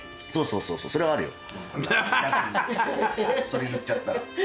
それ言っちゃったら。